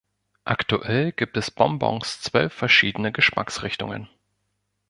Aktuell gibt es Bonbons zwölf verschiedener Geschmacksrichtungen.